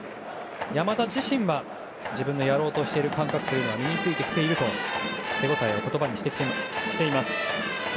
山田自身は自分でやろうとしている感覚は身についてきていると手ごたえを言葉にしています。